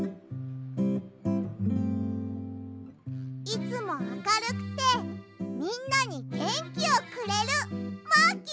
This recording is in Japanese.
いつもあかるくてみんなにげんきをくれるマーキーさん！